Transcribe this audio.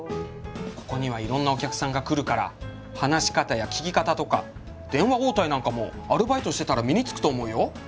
ここにはいろんなお客さんが来るから話し方や聞き方とか電話応対なんかもアルバイトしてたら身につくと思うよ。